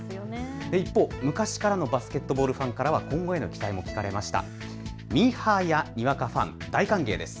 一方、昔からのバスケットボールファンからは今後への期待も聞かれました。